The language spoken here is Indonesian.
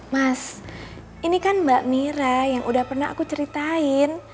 mas ini kan mbak mira yang udah pernah aku ceritain